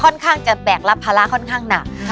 ค่อนข้างจะแบกรับภาระค่อนข้างหนัก